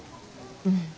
うん。